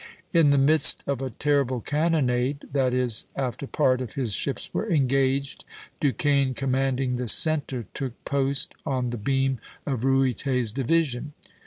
"In the midst of a terrible cannonade," that is, after part of his ships were engaged, "Duquesne, commanding the centre, took post on the beam of Ruyter's division."